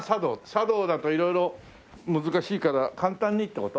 茶道だと色々難しいから簡単にって事？